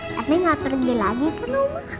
tapi gak pergi lagi kan umah